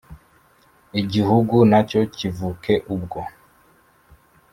Igihugu nacyo kivuke ubwo